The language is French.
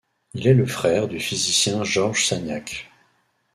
Il est le frère du physicien Georges Sagnac.